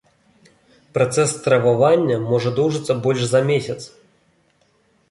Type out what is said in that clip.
Працэс стрававання можа доўжыцца больш за месяц.